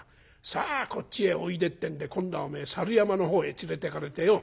さあこっちへおいで』ってんで今度はおめえ猿山の方へ連れてかれてよ